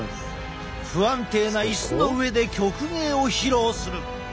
不安定な椅子の上で曲芸を披露する！